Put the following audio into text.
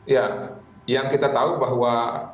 ya yang kita tahu bahwa